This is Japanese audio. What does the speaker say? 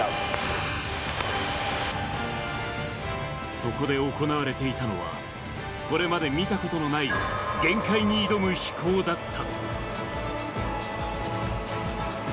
そこで行われていたのは、これまで見たことのない限界に挑む飛行だった。